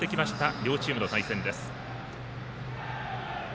両チームの対戦です。